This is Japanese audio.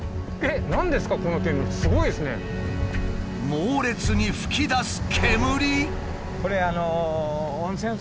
猛烈に噴き出す煙？